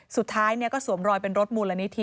สุดท้ายก็สวมรอยเป็นรถมูลนิธิ